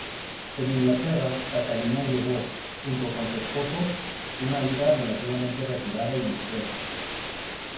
En Inglaterra, Catalina llevó, junto con su esposo, una vida relativamente retirada y discreta.